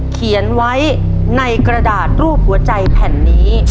เขียนไว้ในกระดาษรูปหัวใจแผ่นนี้